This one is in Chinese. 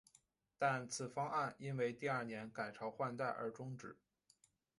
但此方案因为第二年改朝换代而中止。